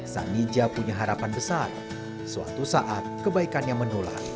sani jaya punya harapan besar suatu saat kebaikan yang menular